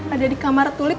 ada di kamar tulip